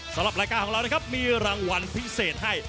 สำหรับรายการของเรานะครับมีรางวัลพิเศษให้